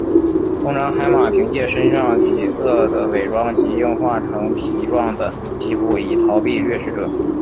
通常海马凭借身上体色的伪装及硬化成皮状的皮肤以逃避掠食者。